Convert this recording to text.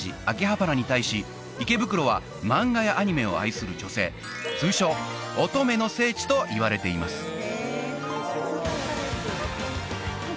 秋葉原に対し池袋は漫画やアニメを愛する女性通称といわれています